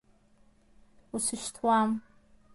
Усышьҭуам!